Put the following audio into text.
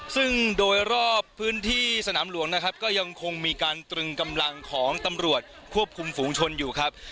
ซึ่งโดยรอบพื้นที่สนามหลวงนะครับก็ยังคงมีการตรึงกำลังของตำรวจควบคุมฝูงชนอยู่ครับ